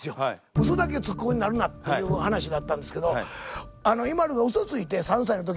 ウソだけつく子になるなっていう話だったんですけどＩＭＡＬＵがウソついて３歳の時に。